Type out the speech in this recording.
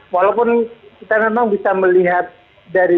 walaupun kita memang bisa melihat dari